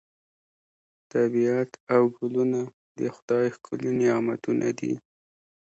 طبیعت او ګلونه د خدای ښکلي نعمتونه دي.